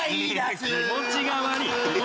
気持ちが悪い。